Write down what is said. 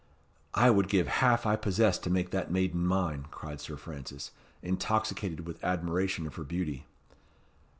"I would give half I possess to make that maiden mine," cried Sir Francis, intoxicated with admiration of her beauty.